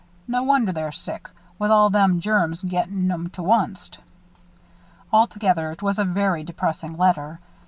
No wonder they're sick, with all them germs gettin' 'em to onct." Altogether, it was a very depressing letter.